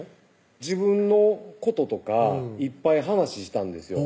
自分のこととかいっぱい話したんですよ